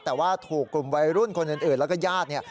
แต่ว่าถูกกลุ่มวัยรุ่นคนอื่นแล้วก็ญาติเนี่ย